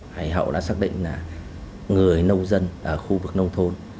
hải hậu đã xác định là người nông dân ở khu vực nông thôn